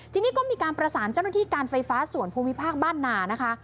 ทีนี้ก็มีการประสานเจ้าหน้าที่การไฟฟ้าส่วนภูมิภาคบ้านนานะคะ